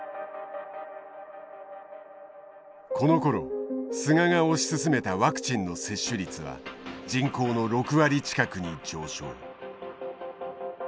このころ菅が推し進めたワクチンの接種率は人口の６割近くに上昇。